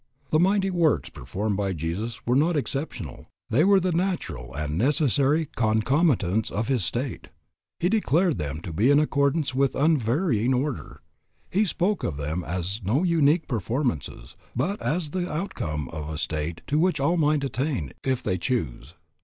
"The mighty works performed by Jesus were not exceptional, they were the natural and necessary concomitants of his state; he declared them to be in accordance with unvarying order; he spoke of them as no unique performances, but as the outcome of a state to which all might attain if they chose.